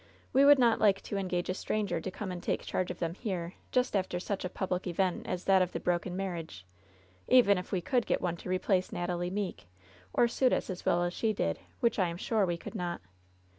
We would not like to engage a stranger to come and take charge of them here, just after such a public event as that of the broken marriage, even if we could get one to replace Natalie Meeke, or suit us as well as she did, which I am sure we could not.